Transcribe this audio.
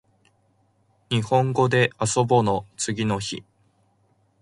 にほんごであそぼの次の日